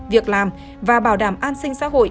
việc làm và bảo đảm an sinh xã hội